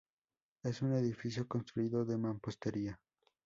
Es un edificio construido de mampostería.